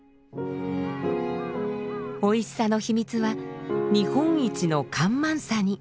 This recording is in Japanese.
おいしさの秘密は日本一の干満差に。